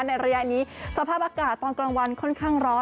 ระยะนี้สภาพอากาศตอนกลางวันค่อนข้างร้อน